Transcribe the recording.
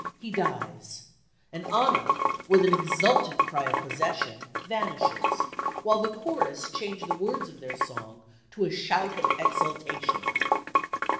he dies; and Anna, with an exultant cry of possession, vanishes, while the chorus change the words of their song to a shout of exultation.